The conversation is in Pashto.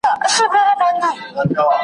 له هر نوي کفن کښه ګیله من یو .